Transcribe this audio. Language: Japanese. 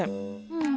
うん。